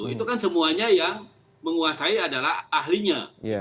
itu kan semuanya yang menguasai adalah ahlinya